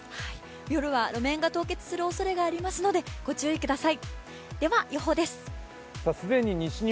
夜は路面が凍結するおそれがあるので、ご注意ください。